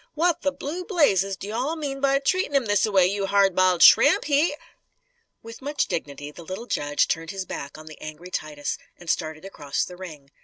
What the blue blazes do you all mean by treatin' him thisaway, you hard biled shrimp? He " With much dignity the little judge turned his back on the angry Titus and started across the ring.